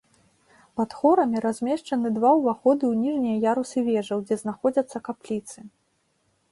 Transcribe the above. Пад хорамі размешчаны два ўваходы ў ніжнія ярусы вежаў, дзе знаходзяцца капліцы.